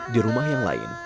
di rumah yang lain